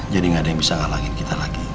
jadi gak ada yang bisa ngalahin kita lagi